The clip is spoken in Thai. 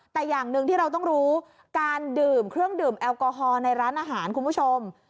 แต่อย่างหนึ่งที่เราต้องรู้การดื่มเครื่องดื่มแอลกอฮอลในร้านอาหารคุณผู้ชม